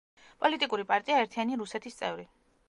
პოლიტიკური პარტია „ერთიანი რუსეთის“ წევრი.